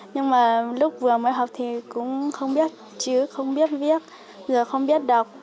nhưng mà lúc vừa mới học thì cũng không biết chữ không biết viết rồi không biết đọc